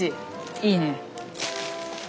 いいね。